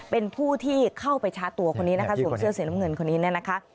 เป็นผู้ที่เข้าไปช้าตัวคนนี้นะคะส่วนเสื้อเสียงละมงึนคนนี้นะคะ